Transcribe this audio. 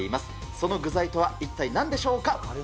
その具材とは一体なんでしょうか？